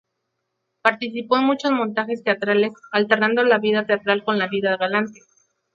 Participó en muchos montajes teatrales, alternando la vida teatral con la vida galante.